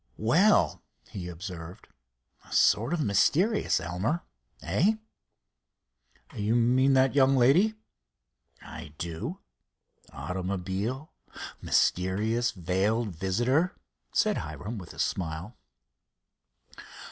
"Well," he observed, "sort of mysterious, Elmer; eh?" "You mean that young lady?" "I do. Automobile—mysterious veiled visitor," said Hiram with a smile.